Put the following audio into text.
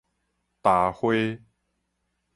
焦花